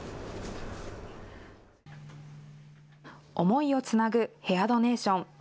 思いをつなぐヘアドネーション。